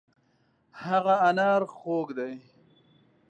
هغه انار خوږ دی.